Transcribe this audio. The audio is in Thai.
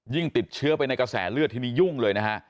ติดเชื้อไปในกระแสเลือดทีนี้ยุ่งเลยนะฮะ